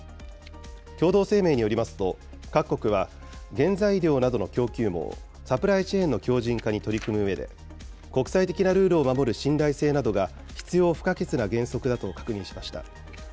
共同声明によりますと、各国は原材料などの供給網・サプライチェーンの強じん化に取り組むうえで、国際的なルールを守る信頼性などが必要不可欠な原則だと確認しました。